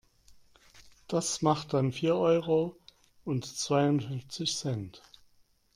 Das macht dann vier Euro und zweiundfünfzig Cent.